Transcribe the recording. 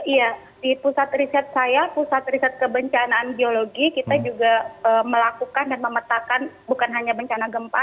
iya di pusat riset saya pusat riset kebencanaan geologi kita juga melakukan dan memetakan bukan hanya bencana gempa